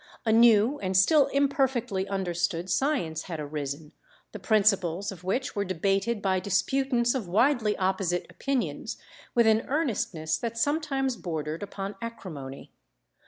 A new and still imperfectly understood science had arisen, the principles of which were debated by disputants of widely opposite opinions with an earnestness that sometimes bordered upon acrimony.